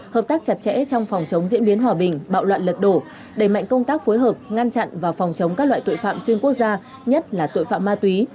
hợp tác chặt chẽ trong phòng chống diễn biến hòa bình bạo loạn lật đổ đẩy mạnh công tác phối hợp ngăn chặn và phòng chống các loại tội phạm xuyên quốc gia nhất là tội phạm ma túy